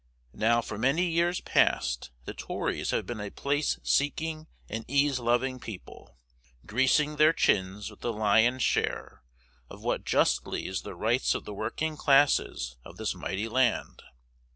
Now for many years past the Tories have been a place seeking and ease loving people, greasing their chins with the lion's share of what justly is the rights of the working classes of this mighty land.